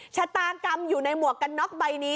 ชะตากรรมอยู่ในหมวกกันน็อกใบนี้